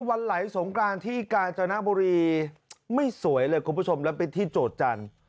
วันไหลสงกรานที่กาญจนบุรีไม่สวยเลยคุณผู้ชมแล้วไปที่โจทย์จันทร์